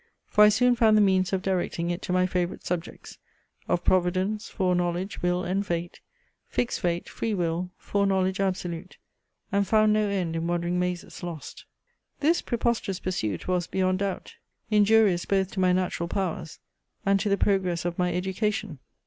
For I soon found the means of directing it to my favourite subjects Of providence, fore knowledge, will, and fate, Fixed fate, free will, fore knowledge absolute, And found no end in wandering mazes lost. This preposterous pursuit was, beyond doubt, injurious both to my natural powers, and to the progress of my education.